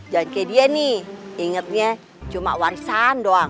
jangan kaya dia nih ingetnya cuma warisan doang